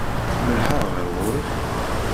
Mellḥeɣ ɣer ɣur-k?